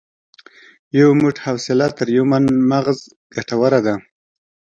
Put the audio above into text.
یو موټ حوصله تر یو من مغز ګټوره ده.